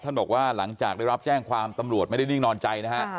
บอกว่าหลังจากได้รับแจ้งความตำรวจไม่ได้นิ่งนอนใจนะฮะ